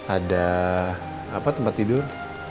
ada apa tempat tidur